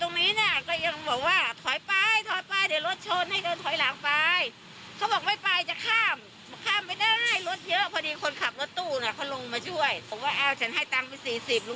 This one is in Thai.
คุณดัดฐพงก็เลยไปตามหาจนเจอตากำนะฮะนี่ฮะ